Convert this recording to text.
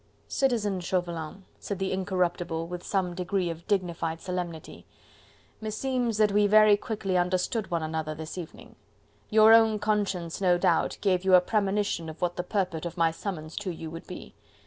"Citizen Chauvelin," said the Incorruptible, with some degree of dignified solemnity, "meseems that we very quickly understood one another this evening. Your own conscience, no doubt, gave you a premonition of what the purport of my summons to you would be.